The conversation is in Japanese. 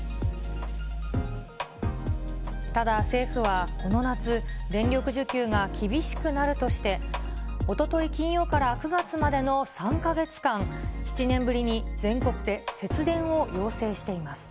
ただ、政府はこの夏、電力需給が厳しくなるとして、おととい金曜から９月までの３か月間、７年ぶりに全国で節電を要請しています。